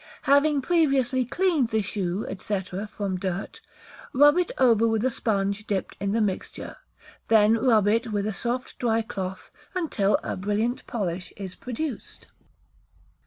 Having previously cleaned the shoe, &c., from dirt, rub it over with a sponge dipped in the mixture: then rub it with a soft dry cloth until a brilliant polish is produced.